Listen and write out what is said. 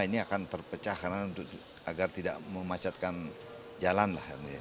ini akan terpecah karena agar tidak memacatkan jalan lah